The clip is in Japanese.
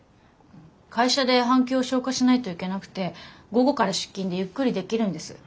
会社で半休を消化しないといけなくて午後から出勤でゆっくりできるんです。